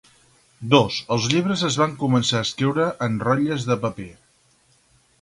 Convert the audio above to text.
II els llibres es van començar a escriure en rotlles de paper.